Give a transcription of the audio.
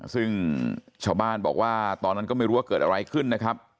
ซึ่งชาวบ้านบอกว่าตอนนั้นก็ไม่รู้ว่าเกิดอะไรขึ้นนะครับ